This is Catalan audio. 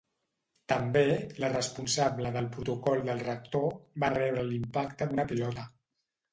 També, la responsable de protocol del rector va rebre l'impacte d'una pilota.